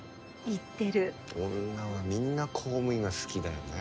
いってる女はみんな公務員が好きだよね